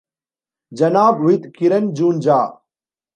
Janaab with Kiran Juneja.